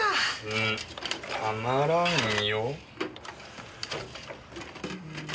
うんたまらんよ。